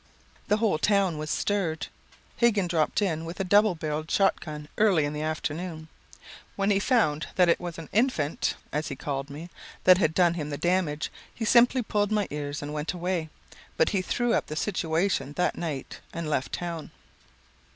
The whole town was stirred. Higgins dropped in with a double barreled shotgun early in the forenoon. When he found that it was an infant (as he called me) that had done him the damage, he simply pulled my ears and went away, but he threw up the situation that night and left town."